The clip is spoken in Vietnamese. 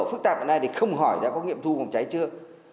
phức tạp này thì không hỏi đã có nghiệm thu phòng cháy chữa